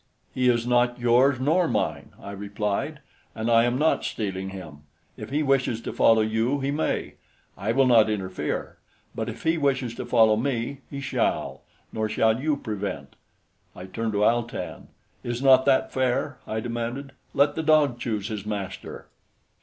"He is not yours nor mine," I replied, "and I am not stealing him. If he wishes to follow you, he may; I will not interfere; but if he wishes to follow me, he shall; nor shall you prevent." I turned to Al tan. "Is not that fair?" I demanded. "Let the dog choose his master."